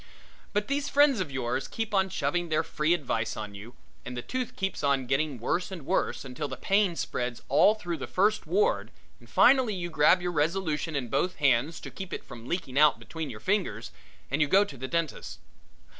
But these friends of yours keep on shoving their free advice on you and the tooth keeps on getting worse and worse until the pain spreads all through the First Ward and finally you grab your resolution in both hands to keep it from leaking out between your fingers and you go to the dentist's.